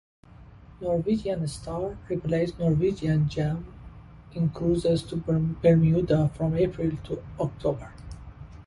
"Norwegian Star" replaced "Norwegian Gem" in cruises to Bermuda from April to October.